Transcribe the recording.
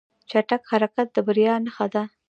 چټک حرکت د بریا نښه ده.